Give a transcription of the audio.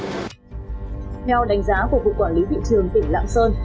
theo đánh giá của cục quản lý thị trường tỉnh lạng sơn